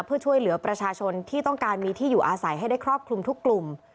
เพื่อช่วยเหลือประชาชนที่ต้องการมีที่อยู่อาศัยให้ได้ครอบคลุมทุกกลุ่ม